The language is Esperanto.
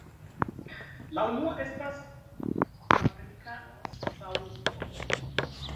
La unua estas Paprika Saŭco.